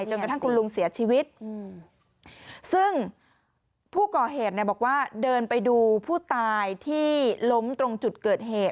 จนกระทั่งคุณลุงเสียชีวิตซึ่งผู้ก่อเหตุเนี่ยบอกว่าเดินไปดูผู้ตายที่ล้มตรงจุดเกิดเหตุ